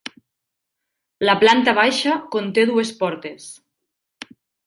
La planta baixa conté dues portes.